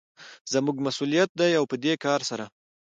زموږ مسوليت دى او په دې کار سره